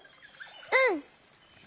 うん！